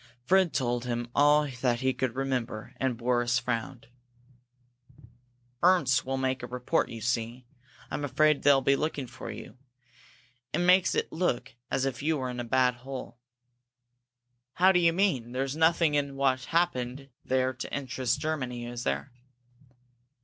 Fred told him all that he could remember, and Boris frowned. "Ernst will make a report, you see," he said. "I'm afraid they'll be looking for you. It makes it look as if you were in a bad hole." "How do you mean? There's nothing in what happened there to interest Germany, is there?"